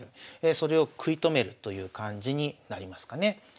それを食い止めるという感じになりますかね。